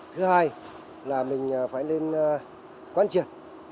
thứ hai là mình phải lên quán triệt